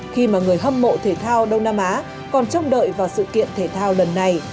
khi mà người hâm mộ thể thao đông nam á còn trông đợi vào sự kiện thể thao lần này